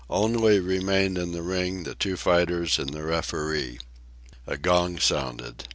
Only remained in the ring the two fighters and the referee. A gong sounded.